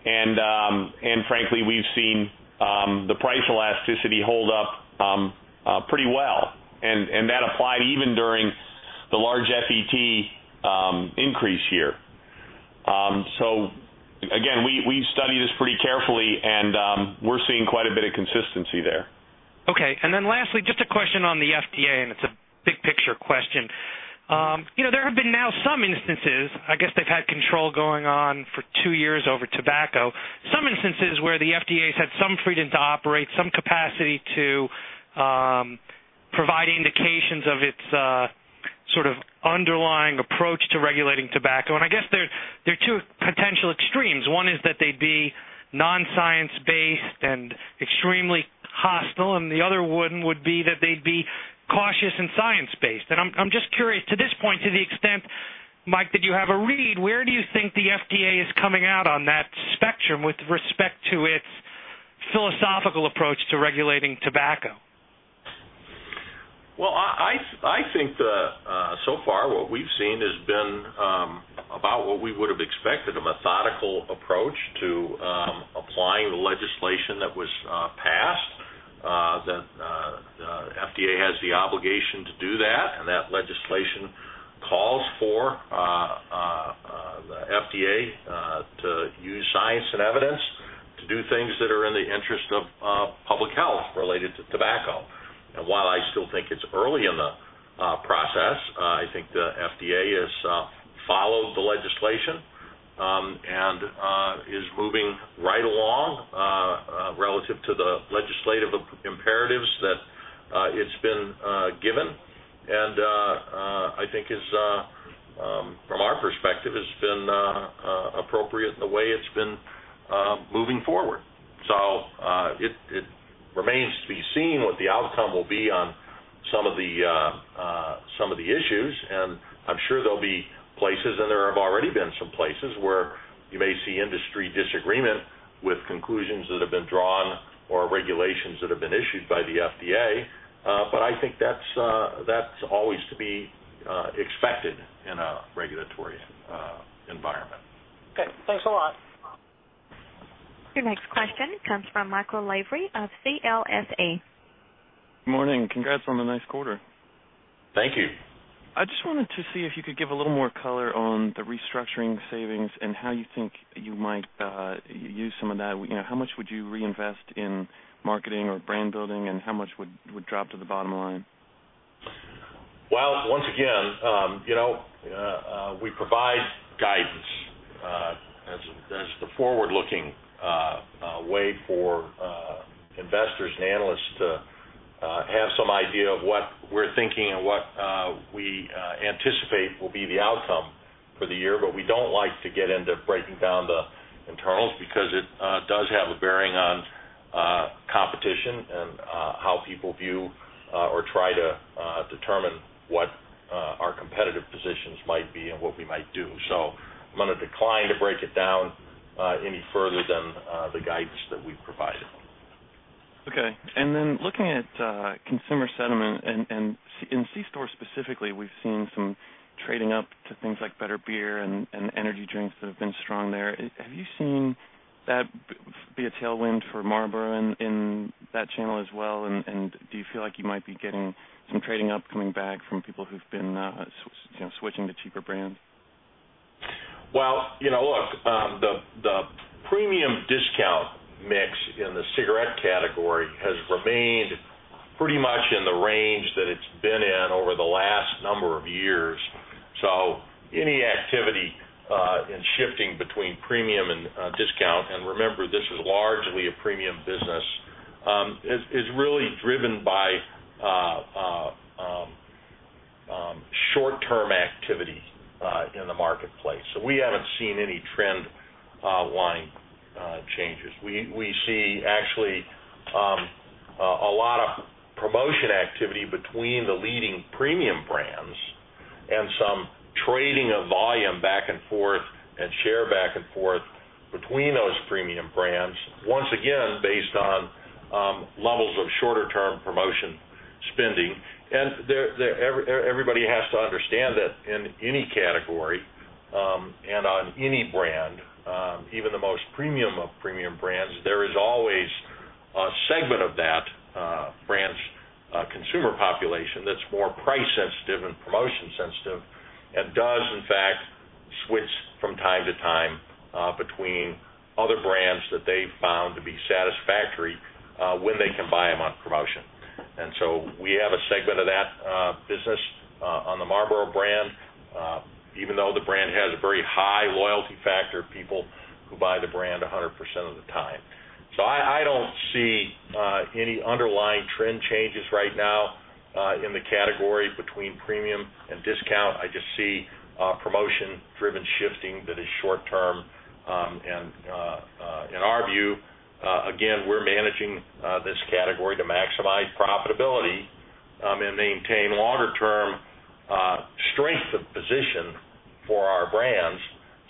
and frankly, we've seen the price elasticity hold up pretty well. That applied even during the large FET increase year. We've studied this pretty carefully, and we're seeing quite a bit of consistency there. Okay. Lastly, just a question on the FDA, and it's a big-picture question. There have been now some instances, I guess they've had control going on for two years over tobacco, some instances where the FDA's had some freedom to operate, some capacity to provide indications of its sort of underlying approach to regulating tobacco. I guess there are two potential extremes. One is that they'd be non-science-based and extremely hostile, and the other one would be that they'd be cautious and science-based. I'm just curious, to this point, to the extent, Mike, that you have a read, where do you think the FDA is coming out on that spectrum with respect to its philosophical approach to regulating tobacco? I think so far what we've seen has been about what we would have expected, a methodical approach to applying the legislation that was passed. The FDA has the obligation to do that, and that legislation calls for the FDA to use science and evidence to do things that are in the interest of public health related to tobacco. While I still think it's early in the process, I think the FDA has followed the legislation and is moving right along relative to the legislative imperatives that it's been given. I think, from our perspective, it's been appropriate in the way it's been moving forward. It remains to be seen what the outcome will be on some of the issues, and I'm sure there'll be places, and there have already been some places where you may see industry disagreement with conclusions that have been drawn or regulations that have been issued by the FDA. I think that's always to be expected in a regulatory environment. Okay, thanks a lot. Your next question comes from Michael Lavery of CLSA. Good morning. Congrats on the next quarter. Thank you. I just wanted to see if you could give a little more color on the restructuring savings and how you think you might use some of that. You know, how much would you reinvest in marketing or brand building, and how much would drop to the bottom line? Once again, you know, we provide guidance as the forward-looking way for investors and analysts to have some idea of what we're thinking and what we anticipate will be the outcome for the year. We don't like to get into breaking down the internals because it does have a bearing on competition and how people view or try to determine what our competitive positions might be and what we might do. I'm going to decline to break it down any further than the guidance that we've provided. Okay. Looking at consumer sentiment, and in C-Store specifically, we've seen some trading up to things like better beer and energy drinks that have been strong there. Have you seen that be a tailwind for Marlboro in that channel as well, and do you feel like you might be getting some trading up coming back from people who've been switching to cheaper brands? The premium discount mix in the cigarette category has remained pretty much in the range that it's been in over the last number of years. Any activity in shifting between premium and discount, and remember, this is largely a premium business, is really driven by short-term activity in the marketplace. We haven't seen any trend line changes. We see actually a lot of promotion activity between the leading premium brands and some trading of volume back and forth and share back and forth between those premium brands, once again, based on levels of shorter-term promotion spending. Everybody has to understand that in any category and on any brand, even the most premium of premium brands, there is always a segment of that brand's consumer population that's more price-sensitive and promotion-sensitive and does, in fact, switch from time to time between other brands that they've found to be satisfactory when they can buy them on promotion. We have a segment of that business on the Marlboro brand, even though the brand has a very high loyalty factor of people who buy the brand 100% of the time. I don't see any underlying trend changes right now in the category between premium and discount. I just see promotion-driven shifting that is short-term. In our view, again, we're managing this category to maximize profitability and maintain longer-term strength of position for our brands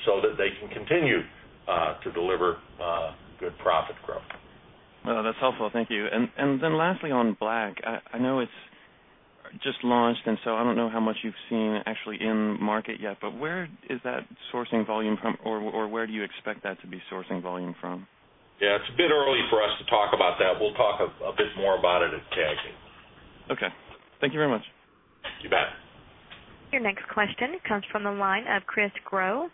so that they can continue to deliver good profit growth. That's helpful. Thank you. Lastly, on Marlboro Black, I know it's just launched, and I don't know how much you've seen actually in the market yet, but where is that sourcing volume from, or where do you expect that to be sourcing volume from? Yeah, it's a bit early for us to talk about that. We'll talk a bit more about it at CAGNY. Okay, thank you very much. You bet. Your next question comes from the line of Chris Groves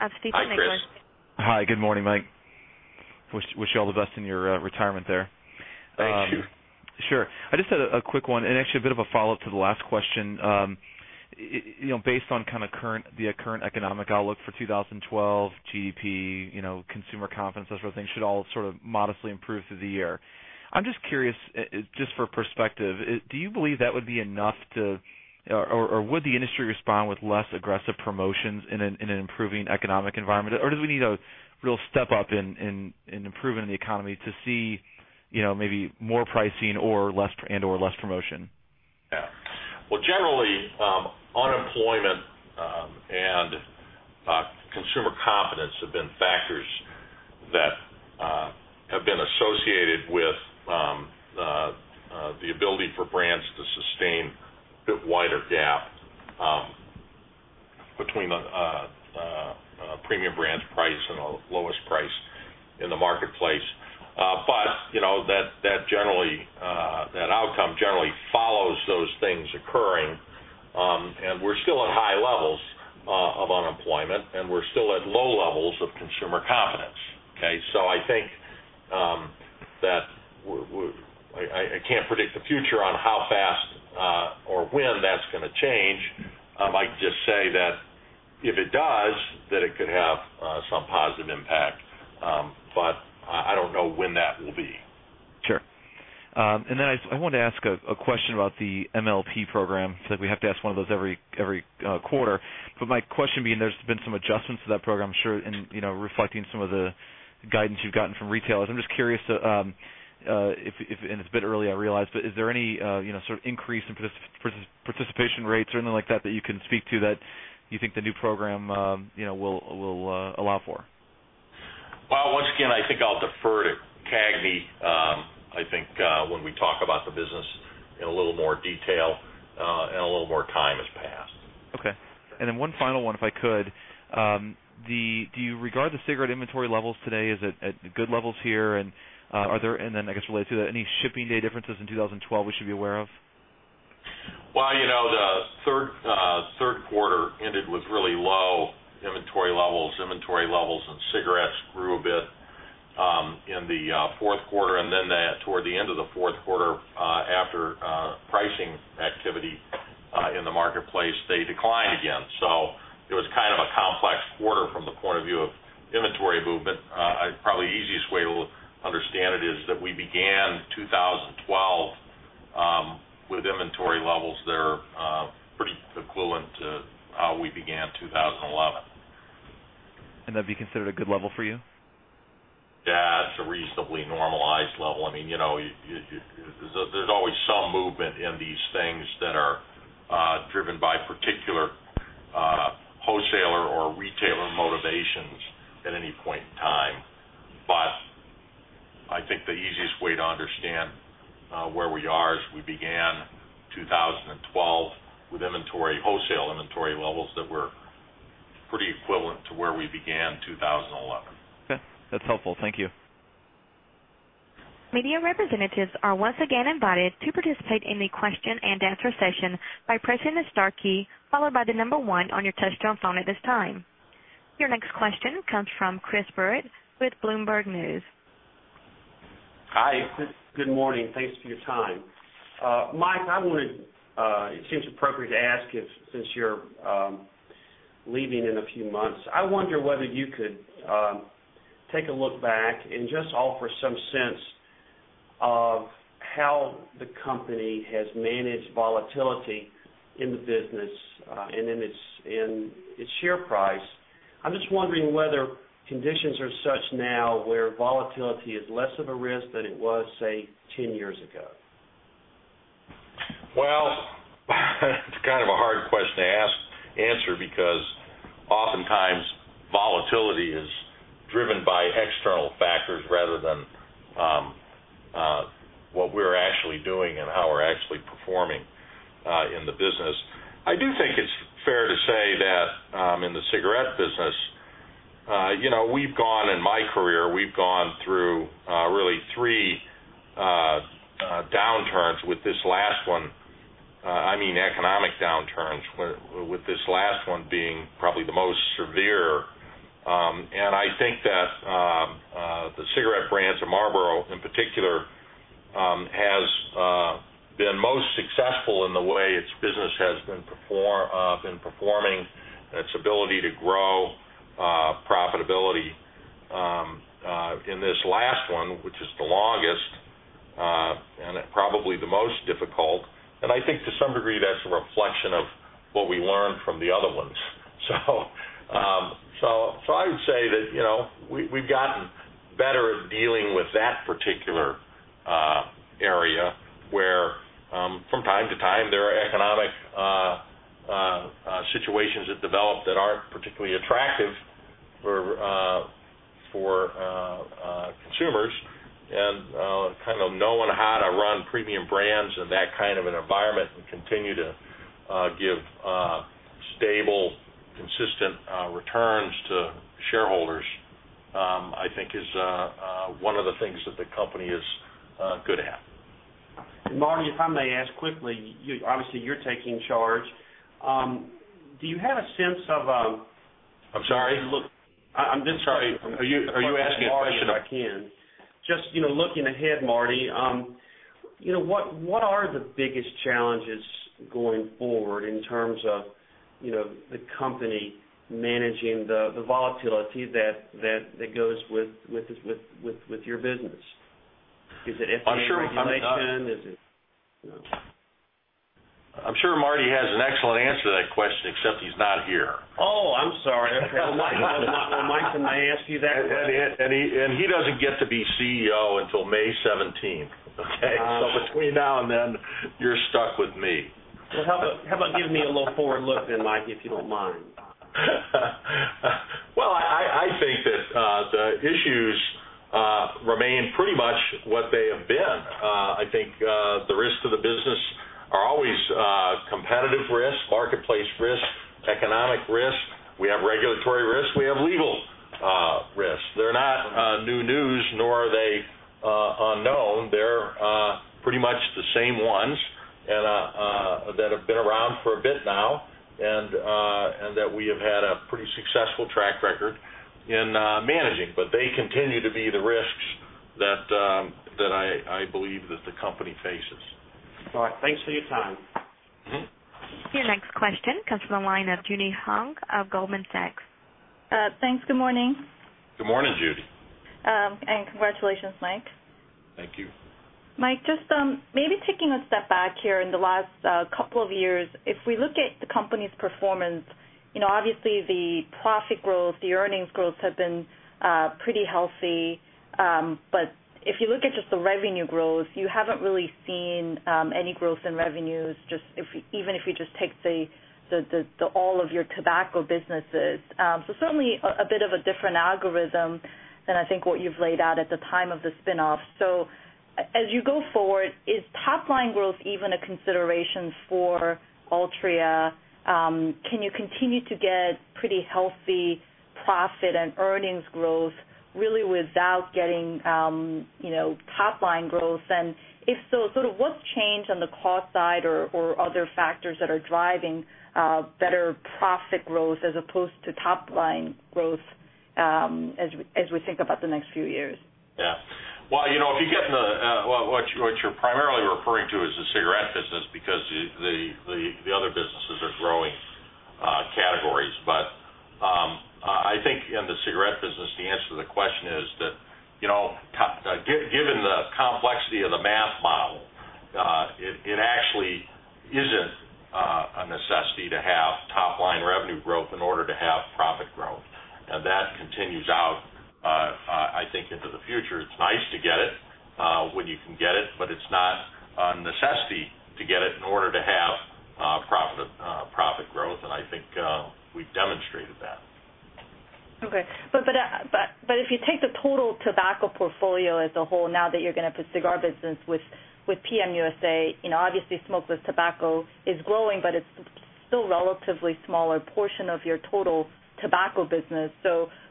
of Stifel Financial Corp. Hi, Chris. Hi. Good morning, Mike. Wish you all the best in your retirement there. Thank you. Sure. I just had a quick one, and actually a bit of a follow-up to the last question. You know, based on kind of the current economic outlook for 2012, GDP, you know, consumer confidence, that sort of thing, should all sort of modestly improve through the year. I'm just curious, just for a perspective, do you believe that would be enough to, or would the industry respond with less aggressive promotions in an improving economic environment, or do we need a real step up in improving the economy to see, you know, maybe more pricing and/or less promotion? Generally, unemployment and consumer confidence have been factors that have been associated with the ability for brands to sustain a wider gap between a premium brand's price and the lowest price in the marketplace. That outcome generally follows those things occurring, and we're still at high levels of unemployment, and we're still at low levels of consumer confidence. I think that I can't predict the future on how fast or when that's going to change. I might just say that if it does, it could have some positive impact, but I don't know when that will be. Sure. I wanted to ask a question about the MLP program. It's like we have to ask one of those every quarter. My question being, there's been some adjustments to that program, I'm sure, reflecting some of the guidance you've gotten from retailers. I'm just curious, and it's a bit early, I realize, but is there any sort of increase in participation rates or anything like that that you can speak to that you think the new program will allow for? I think I'll defer to CAGNY when we talk about the business in a little more detail and a little more time has passed. Okay. One final one, if I could. Regarding the cigarette inventory levels today, is it at good levels here? Are there, I guess related to that, any shipping day differences in 2012 we should be aware of? The third quarter ended with really low inventory levels. Inventory levels in cigarettes grew a bit in the fourth quarter, and toward the end of the fourth quarter, after pricing activity in the marketplace, they declined again. It was kind of a complex quarter from the point of view of inventory boom, but probably the easiest way to understand it is that we began 2012 with inventory levels that are pretty congruent to how we began 2011. Would that be considered a good level for you? Yeah, it's a reasonably normalized level. I mean, there's always some movement in these things that are driven by particular wholesaler or retailer motivations at any point in time. I think the easiest way to understand where we are is we began 2012 with wholesale inventory levels that were pretty equivalent to where we began 2011. Okay, that's helpful. Thank you. Media representatives are once again invited to participate in the question and answer session by pressing the star key followed by the number one on your touch-tone phone at this time. Your next question comes from Chris Burritt with Bloomberg News. Hi. Good morning. Thanks for your time. Mike, I want to, it seems appropriate to ask if, since you're leaving in a few months, I wonder whether you could take a look back and just offer some sense of how the company has managed volatility in the business and in its share price. I'm just wondering whether conditions are such now where volatility is less of a risk than it was, say, 10 years ago. It's kind of a hard question to answer because oftentimes volatility is driven by external factors rather than what we're actually doing and how we're actually performing in the business. I do think it's fair to say that in the cigarette business, you know, we've gone in my career, we've gone through really three downturns with this last one. I mean economic downturns with this last one being probably the most severe. I think that the cigarette brands of Marlboro, in particular, has been most successful in the way its business has been performing and its ability to grow profitability. In this last one, which is the longest and probably the most difficult, I think to some degree that's a reflection of what we learned from the other ones. I would say that, you know, we've gotten better at dealing with that particular area where, from time to time, there are economic situations that develop that aren't particularly attractive for consumers. Kind of knowing how to run premium brands in that kind of an environment and continue to give stable, consistent returns to shareholders, I think, is one of the things that the company is good at. Marty, if I may ask quickly, obviously, you're taking charge. Do you have a sense of a? I'm sorry? I'm just. Sorry. Are you asking questions? I'm sorry. If I can. Just looking ahead, Marty, what are the biggest challenges going forward in terms of the company managing the volatility that goes with your business? Is it FDA regulation? I'm sure he can answer. Is it? I'm sure Marty has an excellent answer to that question, except he's not here. I'm sorry. Okay. Mike, can I ask you that? He doesn't get to be CEO until May 17, okay? Between now and then, you're stuck with me. How about giving me a little forward look then, Mike, if you don't mind? I think that the issues remain pretty much what they have been. I think the risks to the business are always competitive risks, marketplace risks, economic risks. We have regulatory risks. We have legal risks. They're not new news, nor are they unknown. They're pretty much the same ones that have been around for a bit now and that we have had a pretty successful track record in managing. They continue to be the risks that I believe that the company faces. All right. Thanks for your time. Your next question comes from the line of Judy Hung of Goldman Sachs Group. Thanks. Good morning. Good morning, Judy. Congratulations, Mike. Thank you. Mike, just maybe taking a step back here in the last couple of years, if we look at the company's performance, you know, obviously the profit growth, the earnings growth have been pretty healthy. If you look at just the revenue growth, you haven't really seen any growth in revenues, just even if you just take, say, all of your tobacco businesses. Certainly a bit of a different algorithm than I think what you've laid out at the time of the spin-off. As you go forward, is top-line growth even a consideration for Altria Group? Can you continue to get pretty healthy profit and earnings growth really without getting top-line growth? If so, sort of what's changed on the cost side or other factors that are driving better profit growth as opposed to top-line growth as we think about the next few years? If you get to what you're primarily referring to is the cigarette business because the other businesses are growing categories. I think in the cigarette business, the answer to the question is that, given the complexity of the math model, it actually isn't a necessity to have top-line revenue growth in order to have profit growth. That continues out, I think, into the future. It's nice to get it when you can get it, but it's not a necessity to get it in order to have profit growth. I think we've demonstrated that. Okay. If you take the total tobacco portfolio as a whole, now that you're going to put the cigar business with PMUSA, obviously smokeless tobacco is growing, but it's still a relatively smaller portion of your total tobacco business.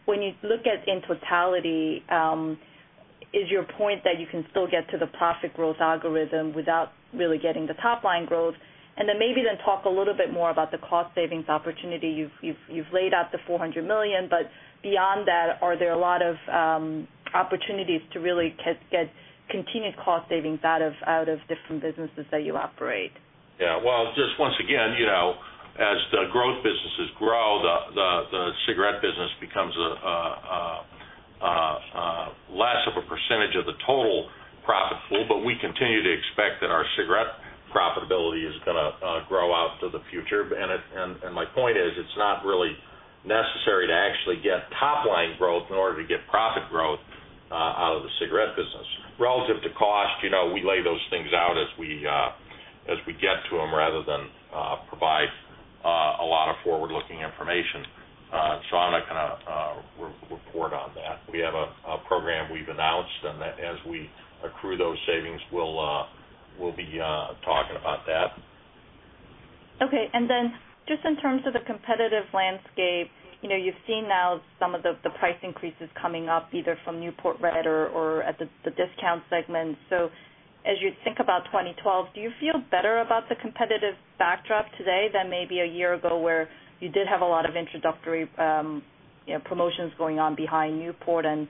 When you look at it in totality, is your point that you can still get to the profit growth algorithm without really getting the top-line growth? Maybe talk a little bit more about the cost-savings opportunity. You've laid out the $400 million, but beyond that, are there a lot of opportunities to really get continued cost savings out of different businesses that you operate? As the growth businesses grow, the cigarette business becomes less of a percentage of the total profit pool. We continue to expect that our cigarette profitability is going to grow out into the future. My point is it's not really necessary to actually get top-line growth in order to get profit growth out of the cigarette business. Relative to cost, we lay those things out as we get to them rather than provide a lot of forward-looking information. I'm not going to report on that. We have a program we've announced, and as we accrue those savings, we'll be talking about that. Okay. In terms of the competitive landscape, you've seen now some of the price increases coming up either from Newport Red or at the discount segment. As you think about 2012, do you feel better about the competitive backdrop today than maybe a year ago where you did have a lot of introductory promotions going on behind Newport and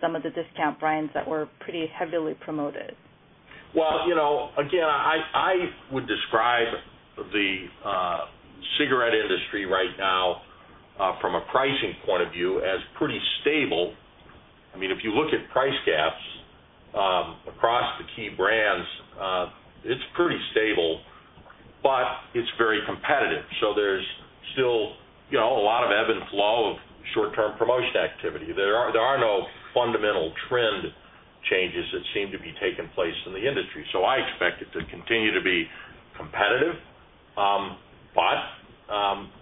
some of the discount brands that were pretty heavily promoted? I would describe the cigarette industry right now from a pricing point of view as pretty stable. I mean, if you look at price gaps across the key brands, it's pretty stable, but it's very competitive. There's still a lot of ebb and flow of short-term promotional activity. There are no fundamental trend changes that seem to be taking place in the industry. I expect it to continue to be competitive.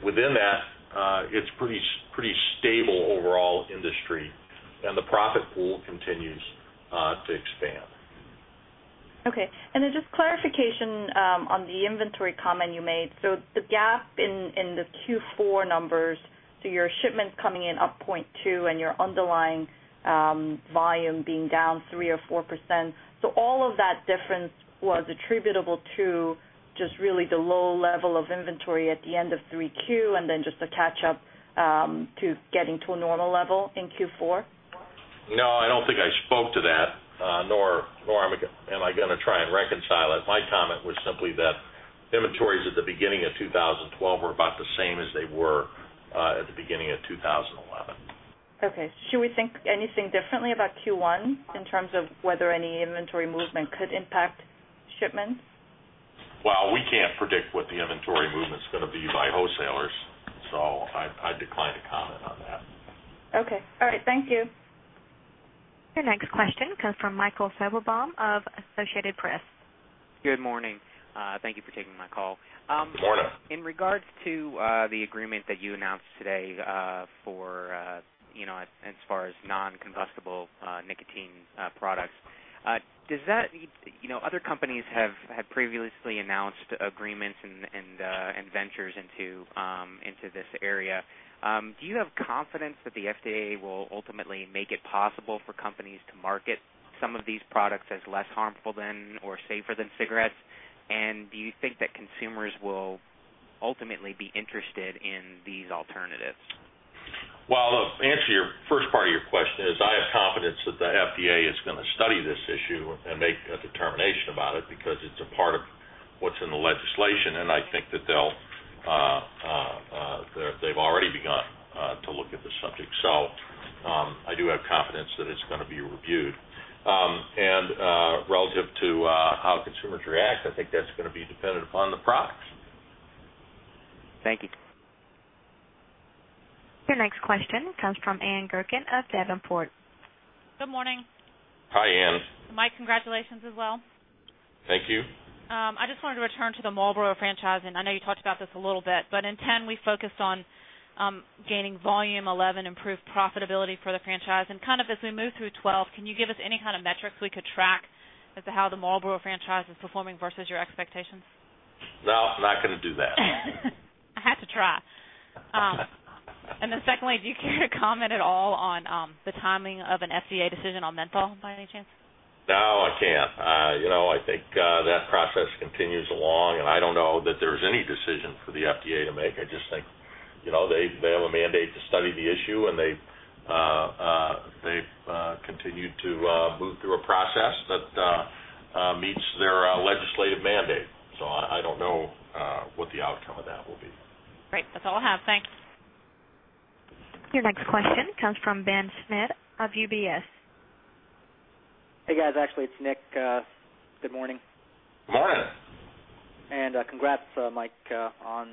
Within that, it's a pretty stable overall industry, and the profit pool continues to expand. Okay. Just clarification on the inventory comment you made. The gap in the Q4 numbers, your shipments coming in up 0.2% and your underlying volume being down 3% or 4%, all of that difference was attributable to just really the low level of inventory at the end of Q3 and just a catch-up to getting to a normal level in Q4? No, I don't think I spoke to that, nor am I going to try and reconcile it. My comment was simply that inventories at the beginning of 2012 were about the same as they were at the beginning of 2011. Okay. Should we think anything differently about Q1 in terms of whether any inventory movement could impact shipments? We can't predict what the inventory movement's going to be by wholesalers, so I decline to comment on that. Okay. All right. Thank you. Your next question comes from Michael Szymanczyk of Associated Press. Good morning. Thank you for taking my call. Good morning. In regards to the agreement that you announced today for non-combustible nicotine products, does that, you know, other companies have previously announced agreements and ventures into this area. Do you have confidence that the FDA will ultimately make it possible for companies to market some of these products as less harmful than or safer than cigarettes? Do you think that consumers will ultimately be interested in these alternatives? I have confidence that the FDA is going to study this issue and make a determination about it because it's a part of what's in the legislation, and I think that they've already begun to look at the subject. I do have confidence that it's going to be reviewed. Relative to how consumers react, I think that's going to be dependent upon the products. Thank you. Your next question comes from Ann Gurkin of Davenport. Good morning. Hi, Ann. Mike, congratulations as well. Thank you. I just wanted to return to the Marlboro franchise, and I know you talked about this a little bit, but in 2010, we focused on gaining volume, 2011 improved profitability for the franchise. As we move through 2012, can you give us any kind of metrics we could track as to how the Marlboro franchise is performing versus your expectations? No, I'm not going to do that. I had to try. Do you care to comment at all on the timing of an FDA decision on menthol by any chance? No, I can't. I think that process continues along, and I don't know that there's any decision for the FDA to make. I just think they have a mandate to study the issue, and they've continued to move through a process that meets their legislative mandate. I don't know what the outcome of that will be. Great. That's all I have. Thanks. Your next question comes from Ben Schmidt of UBS Investment Bank. Hey, guys. Actually, it's Nick. Good morning. Good morning. Congrats, Mike, on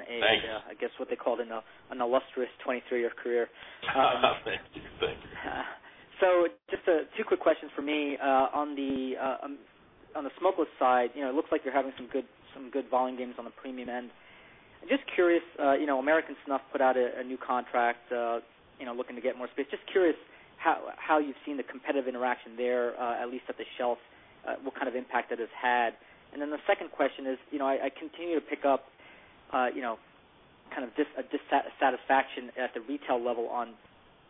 what they called an illustrious 23-year career. Thank you. Thank you. Just two quick questions for me. On the smokeless side, it looks like you're having some good volume gains on the premium end. I'm just curious, American Snuff put out a new contract, looking to get more space. I'm curious how you've seen the competitive interaction there, at least at the shelf, and what kind of impact that has had. The second question is, I continue to pick up kind of a dissatisfaction at the retail level on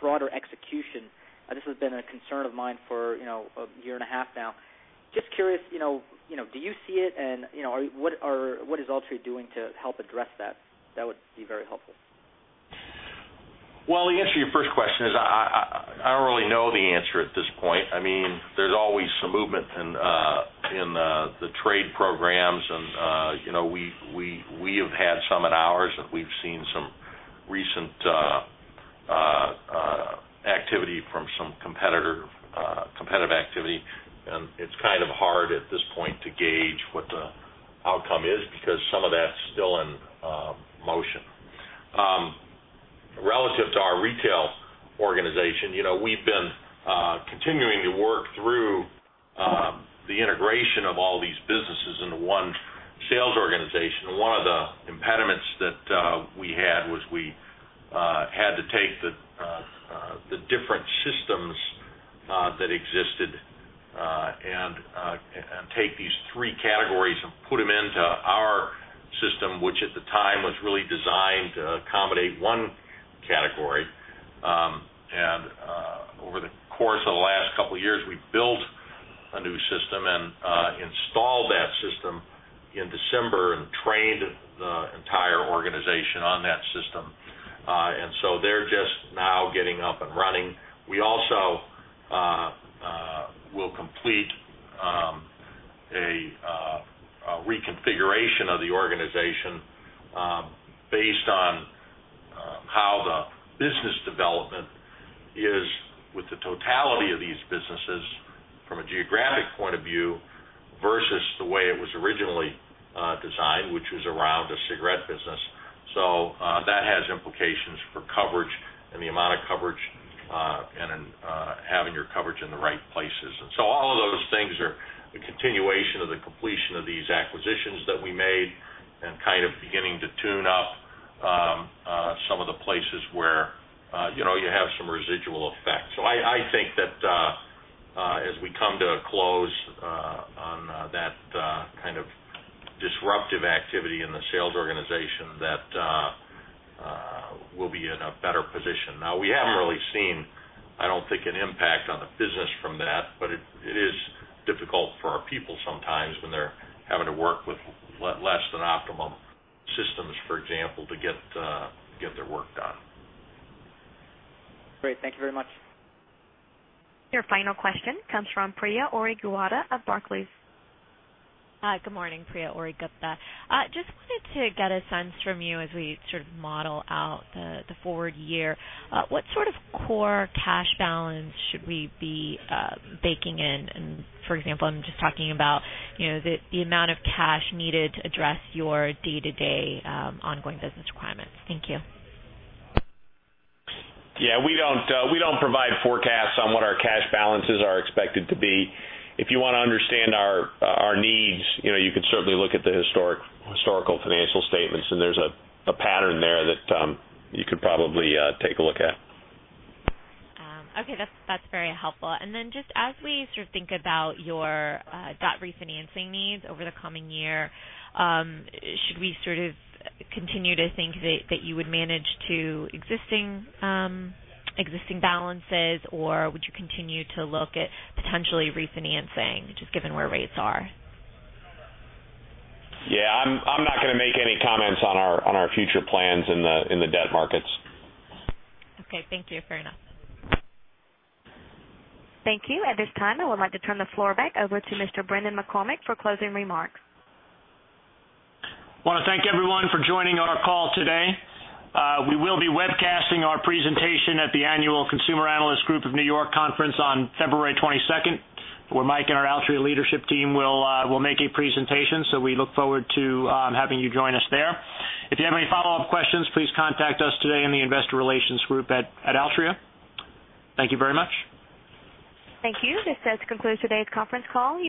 broader execution. This has been a concern of mine for a year and a half now. I'm just curious, do you see it, and what is Altria doing to help address that? That would be very helpful. I don't really know the answer at this point. I mean, there's always some movement in the trade programs, and we have had some at ours, and we've seen some recent activity from some competitive activity. It's kind of hard at this point to gauge what the outcome is because some of that's still in motion. Relative to our retail organization, we've been continuing to work through the integration of all these businesses into one sales organization. One of the impediments that we had was we had to take the different systems that existed and take these three categories and put them into our system, which at the time was really designed to accommodate one category. Over the course of the last couple of years, we built a new system and installed that system in December and trained the entire organization on that system, so they're just now getting up and running. We also will complete a reconfiguration of the organization based on how the business development is with the totality of these businesses from a geographic point of view versus the way it was originally designed, which was around a cigarette business. That has implications for coverage and the amount of coverage and having your coverage in the right places. All of those things are a continuation of the completion of these acquisitions that we made and kind of beginning to tune up some of the places where you have some residual effect. I think that as we come to a close on that kind of disruptive activity in the sales organization, we'll be in a better position. We haven't really seen, I don't think, an impact on the business from that, but it is difficult for our people sometimes when they're having to work with less than optimal systems, for example, to get their work done. Great. Thank you very much. Your final question comes from Priya Origuata of Barclays Bank PLC. Hi. Good morning, Priya Origuata. Just wanted to get a sense from you as we sort of model out the forward year, what sort of core cash balance should we be baking in? For example, I'm just talking about, you know, the amount of cash needed to address your day-to-day ongoing business requirements. Thank you. Yeah, we don't provide forecasts on what our cash balances are expected to be. If you want to understand our needs, you know, you could certainly look at the historical financial statements, and there's a pattern there that you could probably take a look at. Okay. That's very helpful. As we sort of think about your debt refinancing needs over the coming year, should we sort of continue to think that you would manage to existing balances, or would you continue to look at potentially refinancing just given where rates are? Yeah, I'm not going to make any comments on our future plans in the debt markets. Okay. Thank you. Fair enough. Thank you. At this time, I would like to turn the floor back over to Mr. Brendan McCormick for closing remarks. I want to thank everyone for joining our call today. We will be webcasting our presentation at the Annual Consumer Analysts Group of New York conference on February 22, where Mike and our Altria leadership team will make a presentation. We look forward to having you join us there. If you have any follow-up questions, please contact us today in the Investor Relations Group at Altria. Thank you very much. Thank you. This does conclude today's conference call.